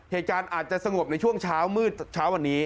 เหตุการณ์อาจจะสงบในช่วงเช้ามืดเช้าวันนี้